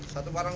satu parang b